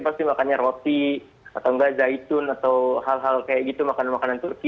pasti makannya roti atau enggak zaitun atau hal hal kayak gitu makanan makanan turki